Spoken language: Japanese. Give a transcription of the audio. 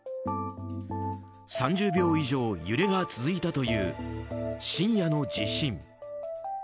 ３０秒以上、揺れが続いたという深夜の地震。